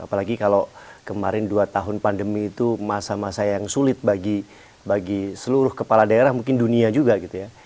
apalagi kalau kemarin dua tahun pandemi itu masa masa yang sulit bagi seluruh kepala daerah mungkin dunia juga gitu ya